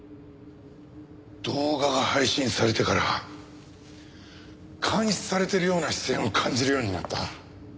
動画が配信されてから監視されているような視線を感じるようになった。